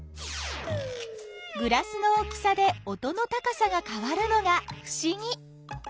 グラスの大きさで音の高さがかわるのがふしぎ！